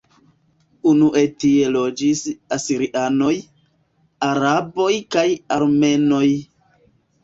Unue tie loĝis asirianoj, araboj kaj armenoj.